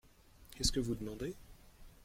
Qu’est-ce que vous demandez ?